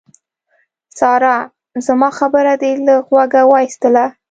سارا! زما خبره دې له غوږه واېستله.